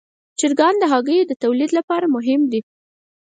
چرګان د هګیو د تولید لپاره مهم دي.